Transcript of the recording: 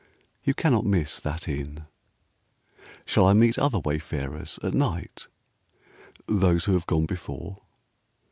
You cannot miss that inn. Shall I meet other wayfarers at night? Those who have gone before.